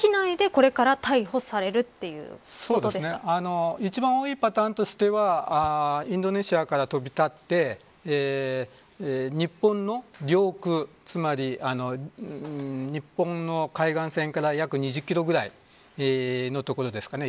これから逮捕される一番多いパターンとしてはインドネシアから飛び立って日本の領空、つまり日本の海岸線から約２０キロくらいの所ですかね